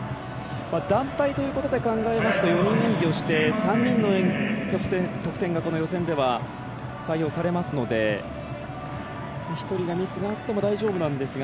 団体ということで考えますと４人演技をして３人の得点が予選では採用されますので１人がミスがあっても大丈夫なんですが。